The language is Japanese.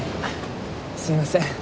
すいません。